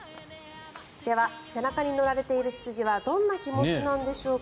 では、背中に乗られている羊はどんな気持ちなんでしょうか。